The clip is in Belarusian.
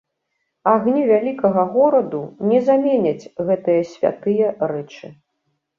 Агні вялікага гораду не заменяць гэтыя святыя рэчы.